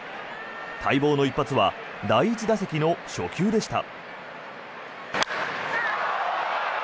待望の一発は第１打席の初球でした。